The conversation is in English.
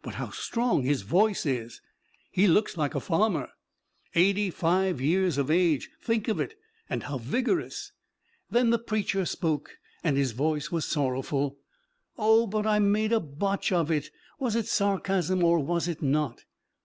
"But how strong his voice is!" "He looks like a farmer." "Eighty five years of age! Think of it, and how vigorous!" Then the preacher spoke and his voice was sorrowful: "Oh, but I made a botch of it was it sarcasm or was it not?"